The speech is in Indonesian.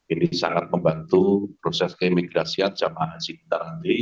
ini sangat membantu proses keimigrasian jamaah haji kita nanti